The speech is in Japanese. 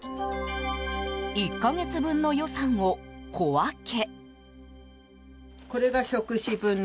１か月分の予算を小分け。